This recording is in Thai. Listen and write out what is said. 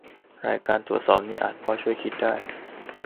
รายการตรวจสอบนี้อาจจะพอช่วยคิดได้